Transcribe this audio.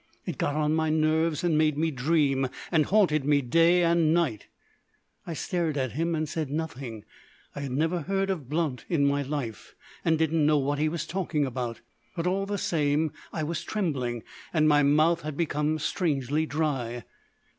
It got on my nerves and made me dream, and haunted me day and night." I stared at him, and said nothing. I had never heard of Blount in my life, and didn't know what he was talking about. But, all the same, I was trembling, and my mouth had become strangely dry.